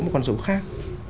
một con số khác